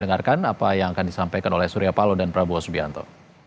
dengarkan apa yang akan disampaikan oleh surya palo dan prabowo subianto